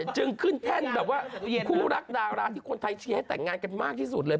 จึงขึ้นแท่นแบบว่าคู่รักดาราที่คนไทยเชียร์ให้แต่งงานกันมากที่สุดเลย